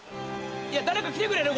誰か来てくれる？